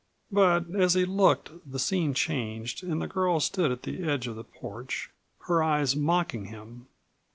But as he looked the scene changed and the girl stood at the edge of the porch, her eyes mocking him.